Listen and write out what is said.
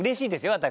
私。